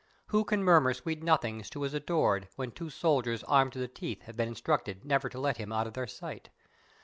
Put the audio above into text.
Who can murmur sweet nothings to his adored when two soldiers armed to the teeth have been instructed never to let him out of their sight?